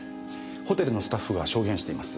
ホテルのスタッフが証言しています。